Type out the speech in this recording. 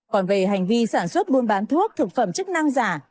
còn về hành vi sản xuất buôn bán thuốc thực phẩm chức năng giả